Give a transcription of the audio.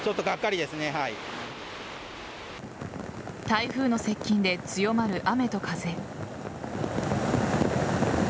台風の接近で強まる雨と風。